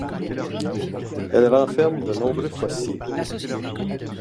Elle renferme de nombreux fossiles.